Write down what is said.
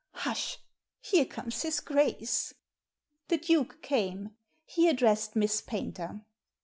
Hush ! here comes his Grace." The Duke came. He addressed Miss Paynter.